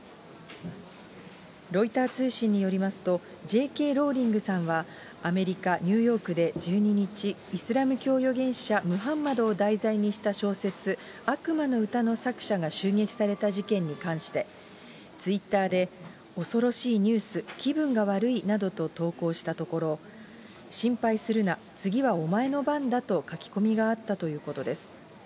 ロイター通信によりますと、Ｊ・Ｋ・ローリングさんはアメリカ・ニューヨークで１２日、イスラム教預言者、ムハンマドを題材にした小説、悪魔の詩の作者が襲撃された事件に関して、ツイッターで、恐ろしいニュース、気分が悪いなどと投稿したところ、心配するな、次はお前の番だと書き込みがあったということです。